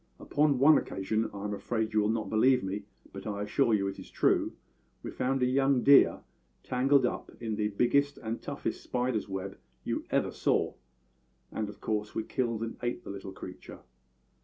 Upon one occasion I am afraid you will not believe me, but I assure you it is true we found a young deer tangled up in the biggest and toughest spider's web you ever saw; and of course we killed and ate the little creature.